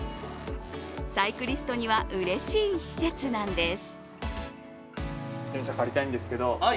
サイクリストにはうれしい施設なんです。